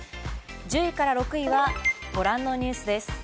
１０位から６位はご覧のニュースです。